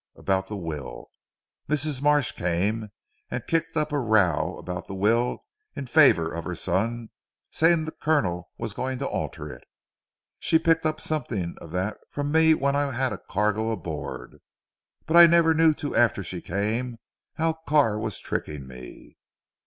About the will. Mrs. Marsh came and kicked up a row about the will in favour of her son saying the Colonel was going to alter it. She picked up something of that from me when I had a cargo aboard. But I never knew till after she came, how Carr was tricking me.